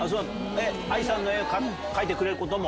ＡＩさんを描いてくれることも？